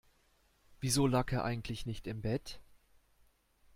Wieso lag er eigentlich nicht im Bett?